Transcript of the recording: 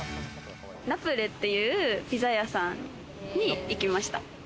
ナプレっていうピザ屋さんに行きました。